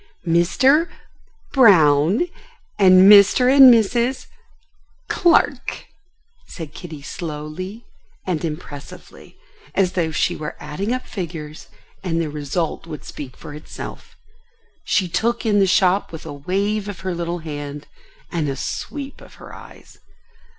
"Mr.—Brown, and Mr. and Mrs.—Clark," said Kitty slowly and impressively, as though she were adding up figures and the result would speak for itself. She took in the shop with a wave of her little hand and a sweep of her eyes.